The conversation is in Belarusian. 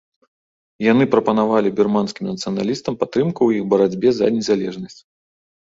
Яны прапанавалі бірманскім нацыяналістам падтрымку ў іх барацьбе за незалежнасць.